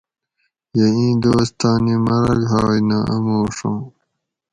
یہ ایں دوس تانی مرگ ہاۓ نہ اموڛاں